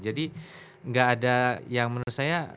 jadi gak ada yang menurut saya